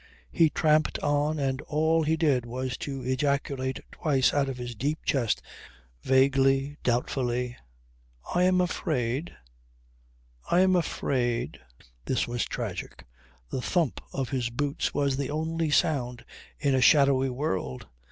He tramped on, and all he did was to ejaculate twice out of his deep chest, vaguely, doubtfully. "I am afraid ... I am afraid! ..." This was tragic. The thump of his boots was the only sound in a shadowy world.